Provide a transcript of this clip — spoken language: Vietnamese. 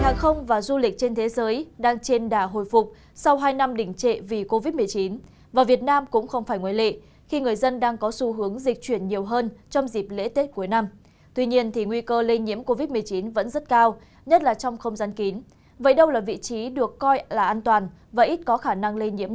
các bạn hãy đăng ký kênh để ủng hộ kênh của chúng mình nhé